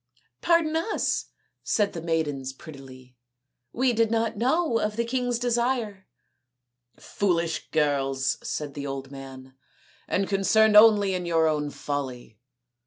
" Pardon us," said the maidens prettily, " we did not know of the king's desire." " Foolish girls," said the old man, " and con cerned only in your own folly.